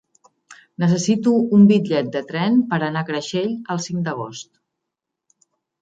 Necessito un bitllet de tren per anar a Creixell el cinc d'agost.